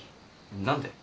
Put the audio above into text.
何で？